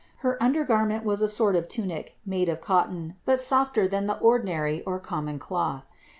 Her undergarment was a sort of tunic made of cotton, but softer than the ordinary or common cloth.